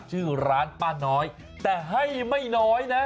ชื่อร้านป้าน้อยแต่ให้ไม่น้อยนะ